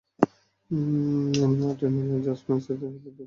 Many Martindale ও George ফ্রান্সিসের সাথে তিনি তার পেস বোলিংয়ে বিমোহিত করেন।